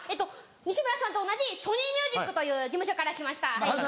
西村さんと同じソニーミュージックという事務所から来ました